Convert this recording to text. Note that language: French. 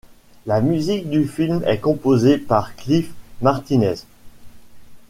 La musique du film est composée par Cliff Martinez.